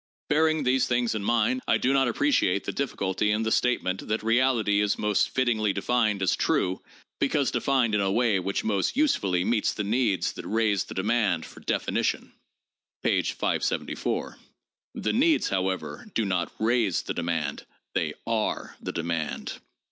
Bearing these things in mind, I do not appreciate the difficulty in the statement that reality is most fittingly denned as true 'because defined in a way which most usefully meets the needs that raise the demand for definition' (p. 574, the 'needs,' however, do not 'raise' the demand, they are the demand).